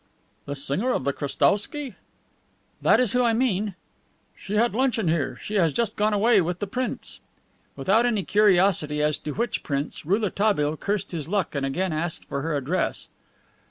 "The singer of the Krestowsky?" "That is who I mean." "She had luncheon here. She has just gone away with the prince." Without any curiosity as to which prince, Rouletabille cursed his luck and again asked for her address.